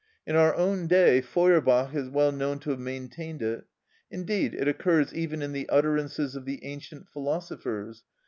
In our own day Feurbach is well known to have maintained it. Indeed, it occurs even in the utterances of the ancient philosophers.